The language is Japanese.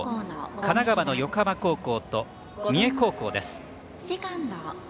神奈川の横浜高校と三重高校です。